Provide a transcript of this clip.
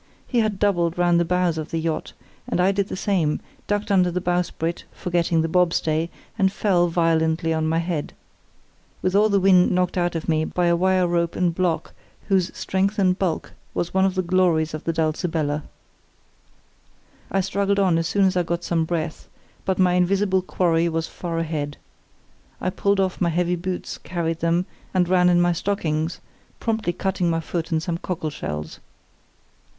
He had doubled round the bows of the yacht, and I did the same, ducked under the bowsprit, forgetting the bobstay, and fell violently on my head, with all the wind knocked out of me by a wire rope and block whose strength and bulk was one of the glories of the Dulcibella. I struggled on as soon as I got some breath, but my invisible quarry was far ahead. I pulled off my heavy boots, carried them, and ran in my stockings, promptly cutting my foot on some cockle shells.